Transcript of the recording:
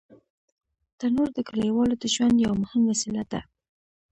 تنور د کلیوالو د ژوند یو مهم وسیله ده